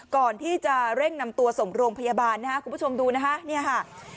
ก่อนที่จะเร่งนำตัวส่งโรงพยาบาลนะครับคุณผู้ชมดูนะคะเนี่ยค่ะ